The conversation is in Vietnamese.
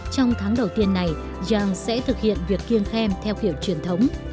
trong tháng đầu tiên này rang sẽ thực hiện việc kiêng khen theo kiểu truyền thống